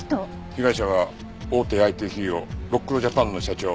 被害者は大手ＩＴ企業ロックルジャパンの社長。